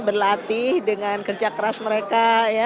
berlatih dengan kerja keras mereka